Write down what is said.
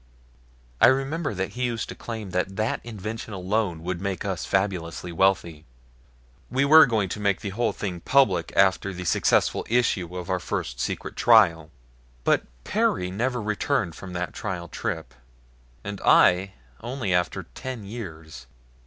I remember that he used to claim that that invention alone would make us fabulously wealthy we were going to make the whole thing public after the successful issue of our first secret trial but Perry never returned from that trial trip, and I only after ten years.